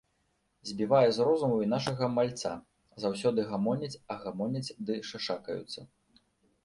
Збівае з розуму і нашага мальца; заўсёды гамоняць а гомоняць ды шашакаюцца.